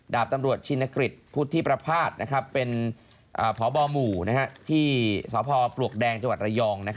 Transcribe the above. ดาบตำรวจชินกฤษพุทธิประพาทเป็นพบหมู่ที่สพปลวกแดงจังหวัดระยอง